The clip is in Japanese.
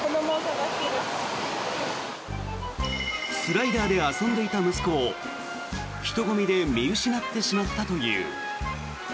スライダーで遊んでいた息子を人混みで見失ってしまったという。